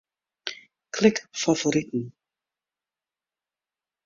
Klik Favoriten.